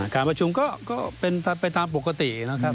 การประชุมก็เป็นไปตามปกตินะครับ